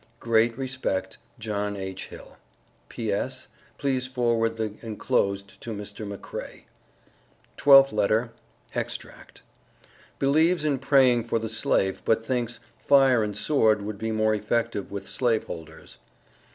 Great respect, JOHN H. HILL. P.S. Please forward the enclosed to Mr. McCray. TWELFTH LETTER. [EXTRACT.] Believes in praying for the Slave but thinks "fire and sword" would be more effective with Slave holders.